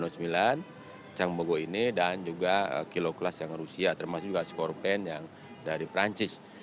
chanbogo ini dan juga kiloklas yang rusia termasuk juga skorpen yang dari perancis